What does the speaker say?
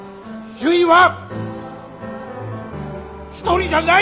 ゆいは１人じゃない！